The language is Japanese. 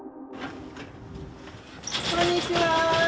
こんにちは。